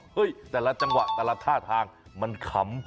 แต่ละจังหวะแต่ละท่าทางมันขำ